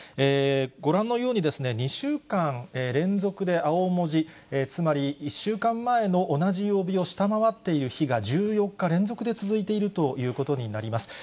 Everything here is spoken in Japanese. ご覧のように、２週間連続で青文字、つまり１週間前の同じ曜日を下回っている日が、１４日連続で続いているということになります。